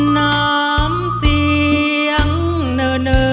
น้ำเสียงเนอ